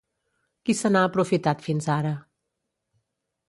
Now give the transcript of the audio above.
Qui se n’ha aprofitat fins ara?